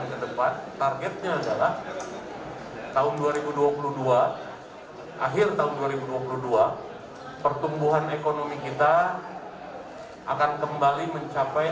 kedepan targetnya adalah tahun dua ribu dua puluh dua akhir tahun dua ribu dua puluh dua pertumbuhan ekonomi kita akan kembali mencapai